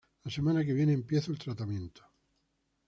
La semana que viene empiezo el tratamiento".